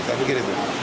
saya pikir itu